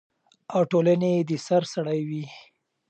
او ټولنې د سر سړی وي،